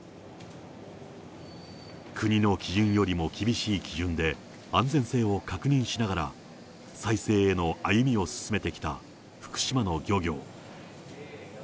国の基準よりも厳しい基準で、安全性を確認しながら、再生への歩みを進めてきた福島の漁業。